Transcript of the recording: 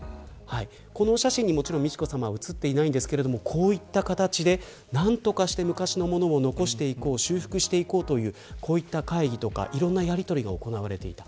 この写真にもちろん美智子さま写っていないんですがこういった形で何とかして昔のものを残していこう修復していこうという会議とかいろんなやりとりが行われていた。